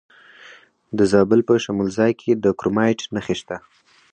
د زابل په شمولزای کې د کرومایټ نښې شته.